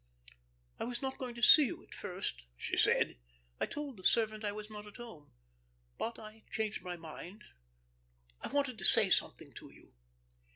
"I was not going to see you at first," she said. "I told the servant I was not at home. But I changed my mind I wanted to say something to you."